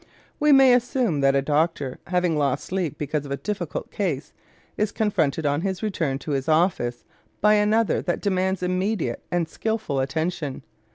We may assume that a doctor, having lost sleep because of a difficult case, is confronted on his return to his office by another that demands immediate and skilful attention.